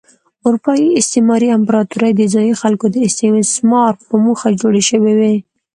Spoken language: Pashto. اروپايي استعماري امپراتورۍ د ځايي خلکو د استثمار په موخه جوړې شوې وې.